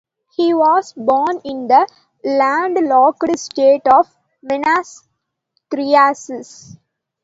He was born in the landlocked state of Minas Gerais.